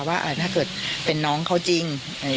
ว่าถ้าเกิดเป็นน้องเขาจริง